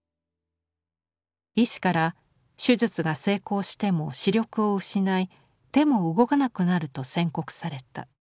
医師から手術が成功しても視力を失い手も動かなくなると宣告された。